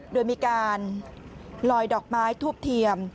โดยมีการลอยดอกไม้ทูบเทียม